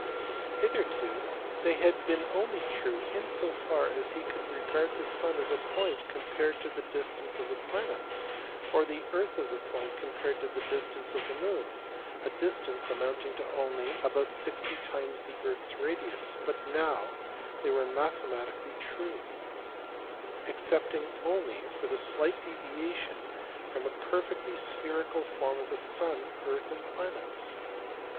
Hitherto they had been true only in so far as he could regard the sun as a point compared to the distance of the planets, or the earth as a point compared to the distance of the moon a distance amounting to only about sixty times the earth s radius but now they were mathematically true, excepting only for the slight deviation from a perfectly spherical form of the sun, earth and planets.